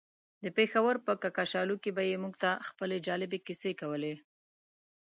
د پېښور په کاکشالو کې به يې موږ ته خپلې جالبې کيسې کولې.